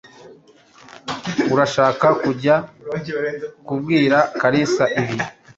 Urashaka kujya kubwira Kalisa ibi?